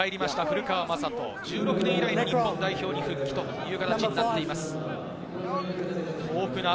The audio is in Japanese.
１６年以来の日本代表復帰という形になっています、古川。